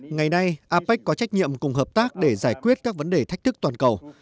ngày nay apec có trách nhiệm cùng hợp tác để giải quyết các vấn đề thách thức toàn cầu